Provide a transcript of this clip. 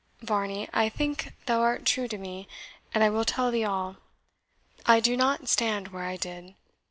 "Varney, I think thou art true to me, and I will tell thee all. I do NOT stand where I did.